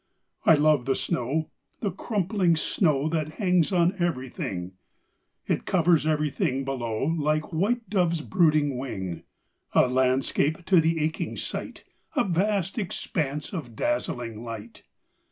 I love the snow, the crumpling snow That hangs on everything, It covers everything below Like white dove's brooding wing, A landscape to the aching sight, A vast expanse of dazzling light.